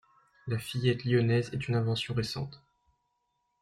La fillette lyonnaise est une invention récente.